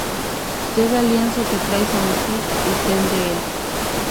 Llega el lienzo que traes sobre ti, y ten de él.